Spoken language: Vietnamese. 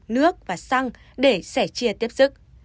nước và xăng để sẻ chia tiếp sức